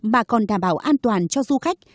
mà còn đảm bảo an toàn cho du khách